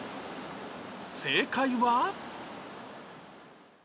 正解は